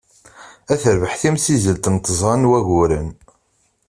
Ad terbeḥ timsizelt n tẓa n wagguren.